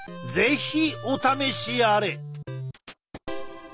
是非お試しあれ！